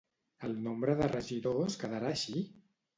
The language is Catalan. El nombre de regidors quedarà així?